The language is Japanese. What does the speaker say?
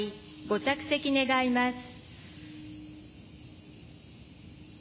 ご着席願います。